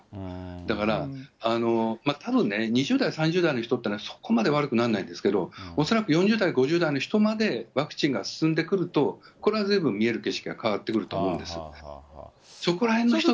だからたぶんね、２０代、３０代の人っていうのはそこまで悪くなんないですけれども、恐らく４０代、５０代の人までワクチンが進んでくると、これはずいぶん、見える景色が変わってくると思うんです。